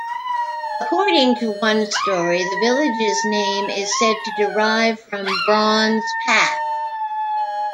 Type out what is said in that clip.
According to one story, the village's name is said to derive from "Brawn's Path".